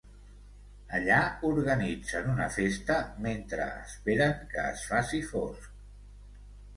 Allà organitzen una festa mentre esperen que es faci fosc.